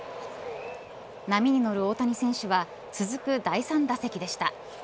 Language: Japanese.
波に乗る大谷選手は続く第３打席でした。